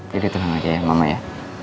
tidak terlalu lagi ya mama ya